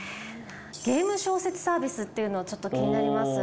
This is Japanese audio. ゲーム小説サービスっていうのちょっと気になります。